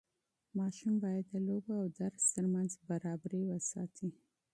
ماشوم باید د لوبو او درس ترمنځ توازن وساتي.